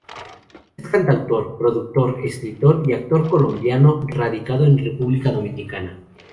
Es un cantautor, productor, escritor y actor colombiano radicado en República Dominicana.